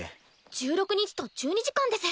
１６日と１２時間です。